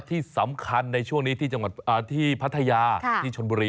แล้วก็ที่สำคัญในช่วงนี้ที่ผัชยาที่ชนบุรี